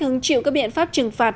hứng chịu các biện pháp trừng phạt